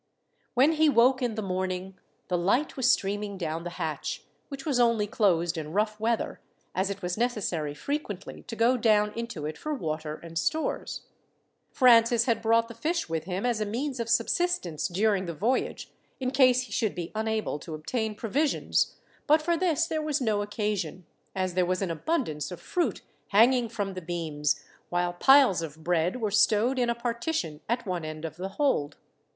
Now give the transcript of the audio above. When he woke in the morning, the light was streaming down the hatch, which was only closed in rough weather, as it was necessary frequently to go down into it for water and stores. Francis had brought the fish with him as a means of subsistence during the voyage, in case he should be unable to obtain provisions, but for this there was no occasion, as there was an abundance of fruit hanging from the beams, while piles of bread were stowed in a partition at one end of the hold.